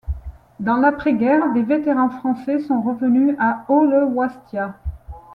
Dans l'après-guerre, des vétérans français sont revenus à Haut-le-Wastia.